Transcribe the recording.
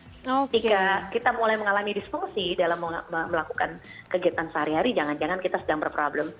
ketika kita mulai mengalami disfungsi dalam melakukan kegiatan sehari hari jangan jangan kita sedang berproblem